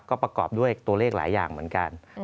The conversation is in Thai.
ก็ประกอบด้วยตัวเลขหลายอย่างเหมือนกัน